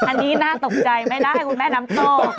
อันนี้น่าตกใจไม่น่าให้คุณแม่น้ำต้อง